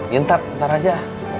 ya ntar ntar aja